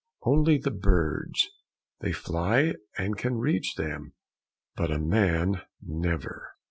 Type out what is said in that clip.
Only the birds; they fly and can reach them, but a man never."